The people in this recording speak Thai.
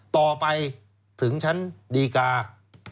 ต่อไปถึงชั้นดีกา